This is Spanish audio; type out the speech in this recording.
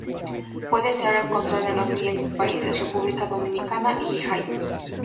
Puede ser encontrada en los siguientes países: República Dominicana y Haití.